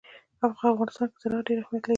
په افغانستان کې زراعت ډېر اهمیت لري.